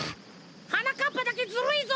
はなかっぱだけずるいぞ！